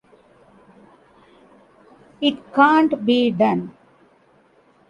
It can't be done.